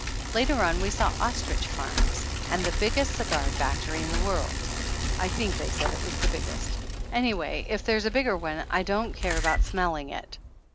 Later on we saw ostrich farms and the big 266 THE ANNALS OF ANN gest cigar factory in the world. I thmJc they said it was the biggest. Anyway, if there's a bigger one I don't care about smelling it